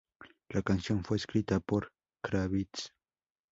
La canción fue escrita por Kravitz.